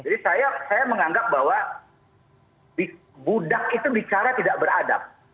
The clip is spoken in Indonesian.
jadi saya saya menganggap bahwa budak itu bicara tidak beradab